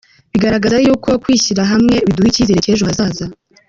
Bigaragaza yuko kwishira hamwe, biduha icyizere cy’ ejo hazaza.